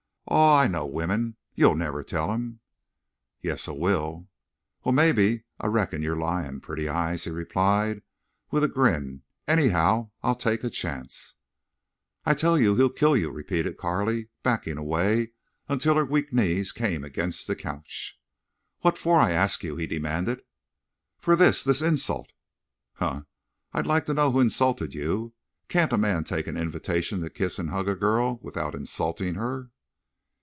"Aw, I know wimmin. You'll never tell him." "Yes, I will." "Wal, mebbe. I reckon you're lyin', Pretty Eyes," he replied, with a grin. "Anyhow, I'll take a chance." "I tell you—he'll kill you," repeated Carley, backing away until her weak knees came against the couch. "What fer, I ask you?" he demanded. "For this—this insult." "Huh! I'd like to know who's insulted you. Can't a man take an invitation to kiss an' hug a girl—without insultin' her?"